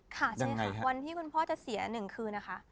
ค่ะใช่ค่ะวันที่คุณพ่อจะเสีย๑คืนนะคะ